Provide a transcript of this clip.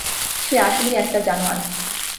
সে আসলেই একটা জানোয়ার।